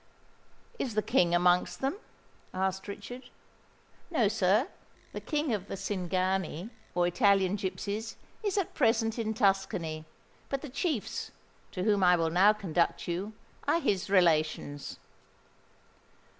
"Is the King amongst them?" asked Richard. "No, sir: the King of the Cingani, or Italian gipsies, is at present in Tuscany; but the chiefs, to whom I will now conduct you, are his relations."